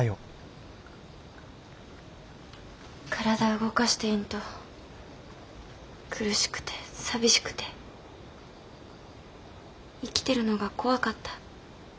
体動かしていんと苦しくて寂しくて生きてるのが怖かった。